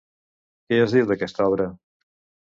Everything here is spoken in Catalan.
Què es diu d'aquesta obra?